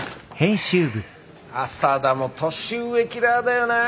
浅田も年上キラーだよなあ。